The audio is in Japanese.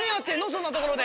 そんなところで。